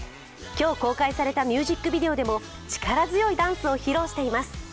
今日公開されたミュージックビデオでも力強いダンスを披露しています。